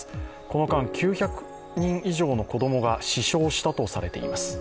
この間、９００人以上の子供が死傷したとされています。